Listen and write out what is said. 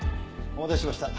お待たせしました。